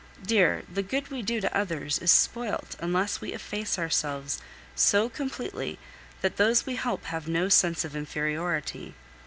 Dear, the good we do to others is spoilt unless we efface ourselves so completely that those we help have no sense of inferiority.